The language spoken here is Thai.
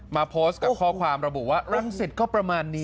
มาโพสต์กับข้อความระบุว่ารังสิตก็ประมาณนี้